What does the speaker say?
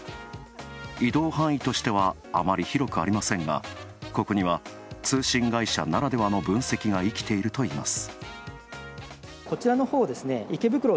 移動範囲としては、あまり広くありませんが、ここには通信会社ならではの分析が生きているといいます。